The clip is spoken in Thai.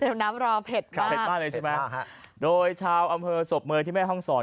เผ็ดมากเลยใช่ไหมโดยชาวอำเภอสบเมือนที่แม่ครองสร